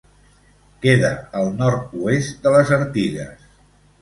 Queda al nord-oest de les Artigues.